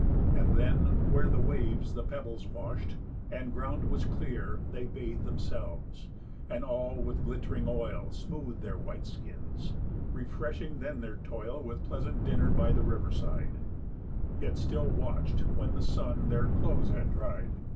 And then, where The waves the pebbles wash'd, and ground was clear, They bath'd themselves, and all with glitt'ring oil Smooth'd their white skins; refreshing then their toil With pleasant dinner, by the river side; Yet still watch'd when the sun their clothes had dried.